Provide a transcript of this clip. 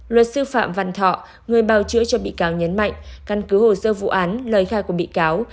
luật sư phạm văn thọ người bào chữa cho bị cáo nhấn mạnh căn cứ hồ sơ vụ án lời khai của bị cáo